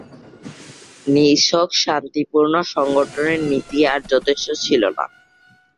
নিছক শান্তিপূর্ণ সংগঠনের নীতি আর যথেষ্ট ছিল না।